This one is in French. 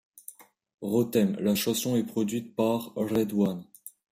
Rotem, la chanson est produite par RedOne.